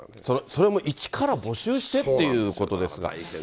それも一から募集してっていうことですから。